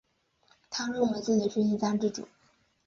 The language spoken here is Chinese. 他认为自己是一家之主